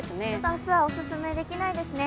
明日はおすすめできないですね。